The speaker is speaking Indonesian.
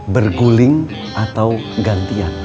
berguling atau gantian